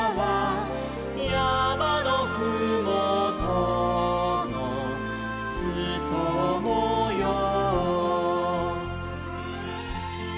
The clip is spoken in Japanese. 「やまのふもとのすそもよう」